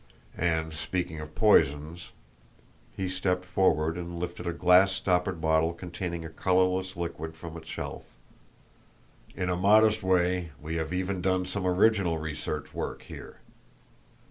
And speaking of poisons" he stepped forward, and lifted a glass stoppered bottle containing a colourless liquid from a shelf "in a modest way we have even done some original research work here.